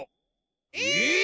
え！